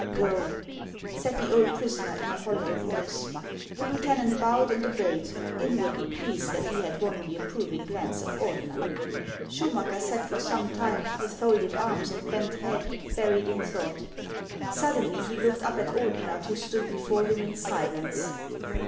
" Go !" said the old prisoner, in a hollow voice. The lieutenant bowed and obeyed, inwardly pleased that he had won the approving glance of Ordener. Schumacker sat for some time with folded arms and HANS OF ICELAND. 109 bent head, buried in thought. Suddenly he looked up at Ordeuer, who stood before him in silence.